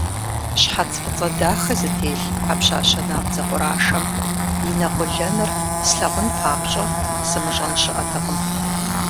Щхьэц фӀыцӀэ дахэ зытелъ а пщащэ набдзэ къурашэм и нэкъуэлэныр слъагъун папщӀэ сымыщӀэн щыӀэтэкъым.